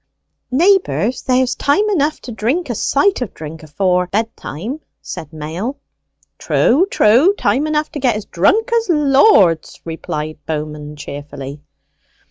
"Neighbours, there's time enough to drink a sight of drink now afore bedtime?" said Mail. "True, true time enough to get as drunk as lords!" replied Bowman cheerfully.